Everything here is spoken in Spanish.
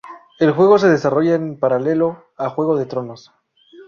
El juego se desarrolla en paralelo a "Juego de tronos".